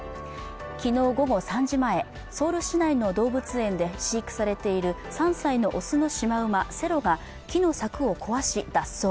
昨日午後３時前、ソウル市内の動物園で飼育されている３歳の雄のシマウマ、セロが木の柵を壊し、脱走。